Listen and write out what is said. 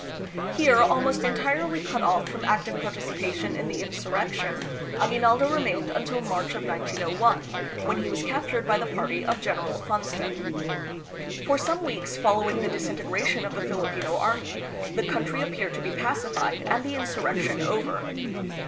Here, almost entirely cut off from active participation in the insurrection, Aguinaldo remained until March of 1901, when he was captured by the party of General Funston. For some weeks following the disintegration of the Filipino army, the country appeared to be pacified and the insurrection over.